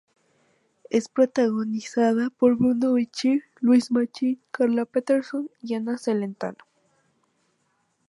Es protagonizada por Bruno Bichir, Luis Machín, Carla Peterson y Ana Celentano.